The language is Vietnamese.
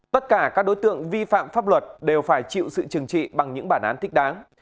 tất cả các đối tượng vi phạm pháp luật đều phải chịu sự trừng trị bằng những bản án thích đáng